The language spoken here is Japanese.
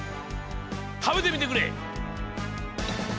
たべてみてくれ。